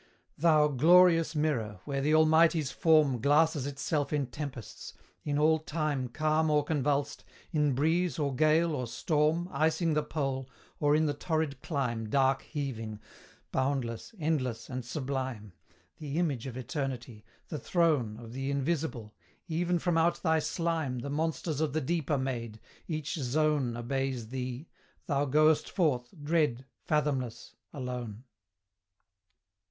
Thou glorious mirror, where the Almighty's form Glasses itself in tempests; in all time, Calm or convulsed in breeze, or gale, or storm, Icing the pole, or in the torrid clime Dark heaving; boundless, endless, and sublime The image of Eternity the throne Of the Invisible; even from out thy slime The monsters of the deep are made; each zone Obeys thee: thou goest forth, dread, fathomless, alone.